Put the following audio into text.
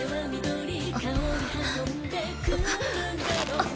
あっ。